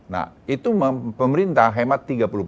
nah itu pemerintah hemat tiga puluh empat